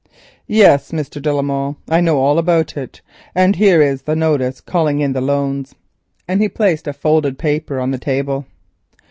"Yes, Mr. de la Molle, I know all about it, and here is the notice calling in the loans," and he placed a folded paper on the table.